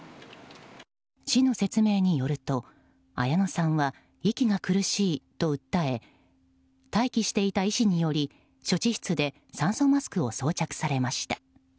市の説明によると綾乃さんは息が苦しいと訴え待機していた医師により処置室で酸素マスクを装着されました。